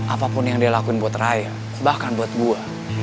apapun yang dia lakuin buat raya bahkan buat gue